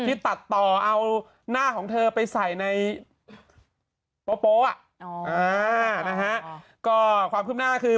ที่ตัดต่อเอาหน้าของเธอไปใส่ในโป๊ะนะฮะก็ความคืบหน้าคือ